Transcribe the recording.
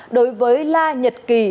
đối với la nhật kỳ